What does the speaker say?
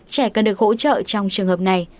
trẻ cần được hỗ trợ trong trường hợp này